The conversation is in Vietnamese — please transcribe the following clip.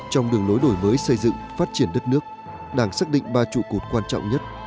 trong đường lối đổi mới xây dựng phát triển đất nước đảng xác định ba trụ cột quan trọng nhất